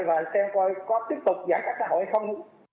và xem coi có tiếp tục giải pháp xã hội hay không